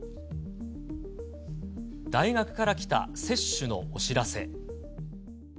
大学から来た接種のお知らせ。